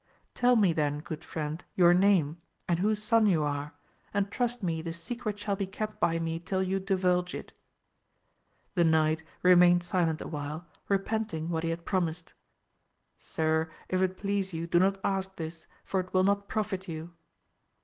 — ^Tell me then good friend your name, and whose son you are, and trust me the secret shall be kept by me till you divulge it. The knight remained silent awhile, repenting what he had promised, — Sir, if it please you do not ask this, for it will not profit you.